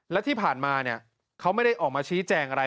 และที่ผ่านมาเขาไม่ได้ออกมาชี้แจงอะไร